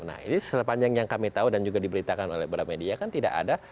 nah ini sepanjang yang kami tahu dan juga diberitakan oleh beberapa media kan tidak ada